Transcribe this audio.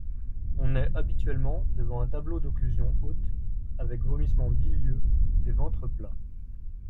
On est habituellement devant un tableau d'occlusion haute avec vomissement bilieux et ventre plat.